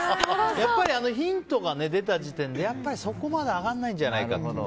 やっぱりヒントが出た時点でそこまで上がらないんじゃないかと。